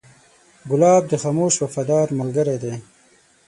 ګلاب د خاموش وفادار ملګری دی.